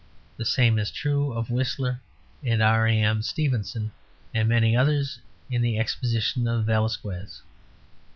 The same is true of Whistler and R. A. M. Stevenson and many others in the exposition of Velasquez.